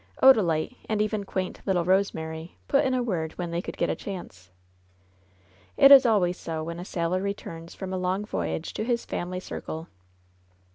Odalite, and even quaint, little Rosemary, put in a word when they could get a chance. It is always so when a sailor returns from a long voy age to his family circle.